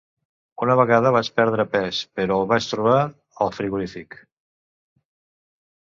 Una vegada vaig perdre pes, però el vaig trobar al frigorífic.